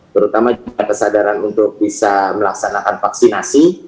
terutama juga kesadaran untuk bisa melaksanakan vaksinasi